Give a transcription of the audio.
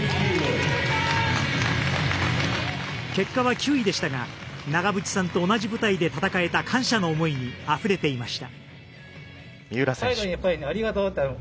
結果は９位でしたが長渕さんと同じ舞台で戦えた感謝の思いにあふれていました。